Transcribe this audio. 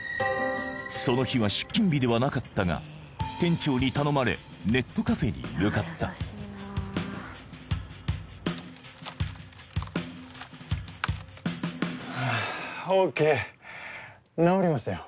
その日は出勤日ではなかったが店長に頼まれネットカフェに向かったＯＫ直りましたよ